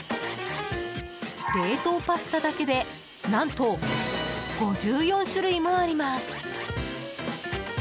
冷凍パスタだけで何と５４種類もあります。